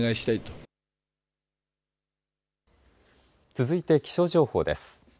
続いて気象情報です。